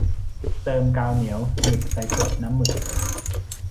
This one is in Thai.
เติมกาวเหนียวหนึบใส่ขวดน้ำหมึก